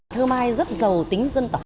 thơ mai rất giàu tính dân tộc